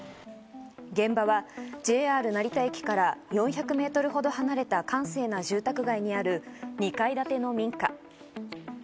現場はＪＲ成田駅から４００ｍほど離れた閑静な住宅街にある２階建ての民家。